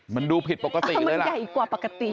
มันดูผิดปกติเลยละก็เลยถ่ายคลิปไว้ก่อนเลย